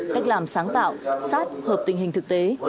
cách làm sáng tạo sát hợp tình hình thực tế